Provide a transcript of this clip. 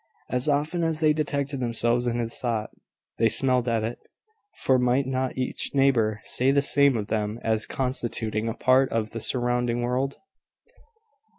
As often as they detected themselves in this thought, they smiled at it; for might not each neighbour say the same of them as constituting a part of the surrounding world?